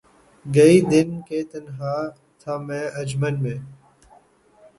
گئے دن کہ تنہا تھا میں انجمن میں